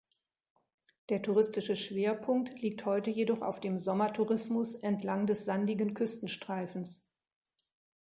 Der touristische Schwerpunkt liegt heute jedoch auf dem Sommertourismus entlang des sandigen Küstenstreifens.